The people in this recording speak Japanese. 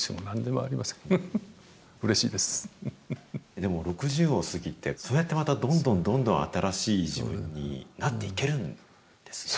でも６０を過ぎて、そうやってまた、どんどんどんどん新しい自分になっていけるんですね。